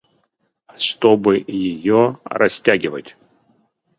А чтобы её растягивать.